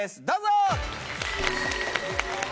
どうぞ！